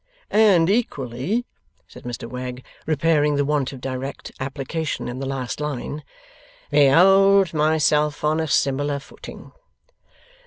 And equally,' said Mr Wegg, repairing the want of direct application in the last line, 'behold myself on a similar footing!